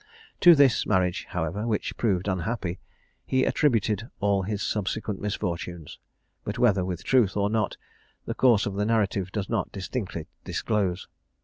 To this marriage, however, which proved unhappy, he attributed all his subsequent misfortunes; but whether with truth or not, the course of the narrative does not distinctly disclose.